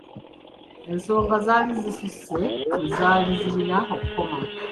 Ensonga zaali zisusse we zaali zirina okukoma.